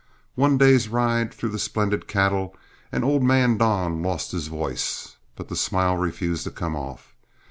One day's ride through the splendid cattle, and old man Don lost his voice, but the smile refused to come off.